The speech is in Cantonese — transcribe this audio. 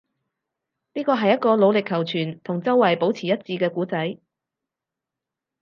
呢個係一個努力求存，同周圍保持一致嘅故仔